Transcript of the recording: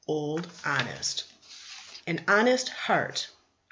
OLD HONEST "An honest heart."